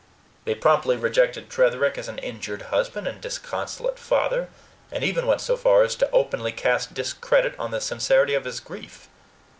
They promptly rejected Tretherick as an injured husband and disconsolate father, and even went so far as to openly cast discredit on the sincerity of his grief.